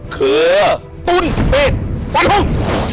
คือตุ้นเฟศฝันหุ้ง